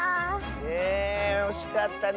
えおしかったね。